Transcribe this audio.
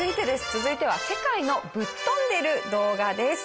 続いては世界のぶっ飛んでる動画です。